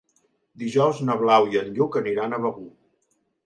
Dijous na Blau i en Lluc aniran a Begur.